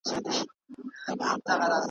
زه لکه چي ژونده ډېر کلونه پوروړی یم .